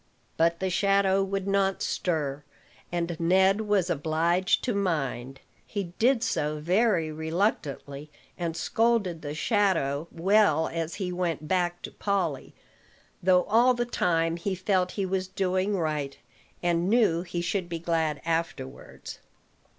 But the shadow would not stir, and Ned was obliged to mind. He did so very reluctantly, and scolded the shadow well as he went back to Polly; though all the time he felt he was doing right, and knew he should be glad afterwards.